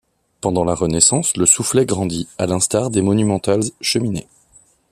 Pendant la Renaissance, le soufflet grandit, à l'instar des monumentales cheminées.